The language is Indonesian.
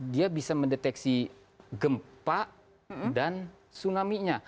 dia bisa mendeteksi gempa dan tsunami nya